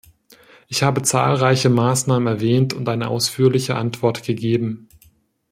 Ich habe zahlreiche Maßnahmen erwähnt und eine ausführliche Antwort gegeben.